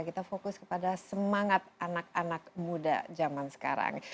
kita fokus kepada semangat anak anak muda zaman sekarang